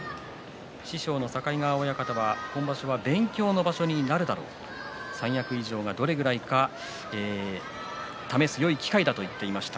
師匠の境川親方は今場所は勉強の場所になるだろう三役以上がどれくらいか試すいい機会だと話していました